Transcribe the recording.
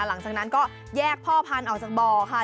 หลังจากนั้นก็แยกพ่อพันธุ์ออกจากบ่อค่ะ